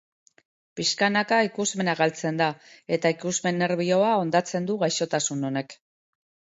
Pixkanaka ikusmena galtzen da, eta ikusmen-nerbioa hondatzen du gaixotasun honek.